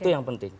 itu yang penting